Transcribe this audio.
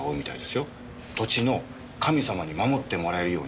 土地の神様に守ってもらえるようにって。